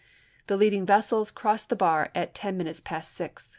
The leading vessels crossed the bar at ten minutes past six; the line Aug.